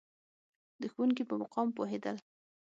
د ښوونکي په مقام پوهېدل.